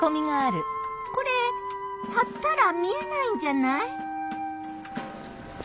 これはったら見えないんじゃない？